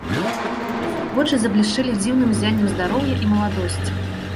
Вочы заблішчэлі дзіўным ззяннем здароўя і маладосці.